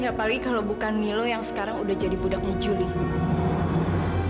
apalagi kalau bukan milo yang sekarang udah jadi budaknya julie